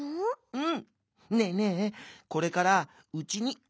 「うん」。